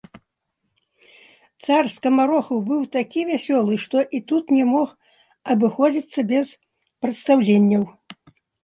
Цар скамарохаў быў такі вясёлы, што і тут не мог абыходзіцца без прадстаўленняў.